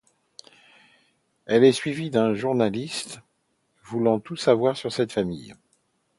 Elle est suivie d'un journaliste, voulant tout savoir sur cette famille.